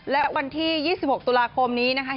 และวันที่๒๖ตุลาคมนี้นะคะ